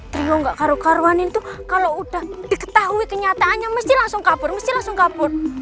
trio gak karu karuanin tuh kalo udah diketahui kenyataannya mesti langsung kabur mesti langsung kabur